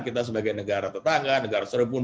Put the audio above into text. kita sebagai negara tetangga negara serbun